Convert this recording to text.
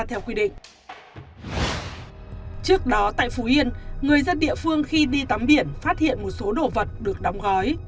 trước đó tại phú yên người dân địa phương khi đi tắm biển phát hiện một số đồ vật được đóng gói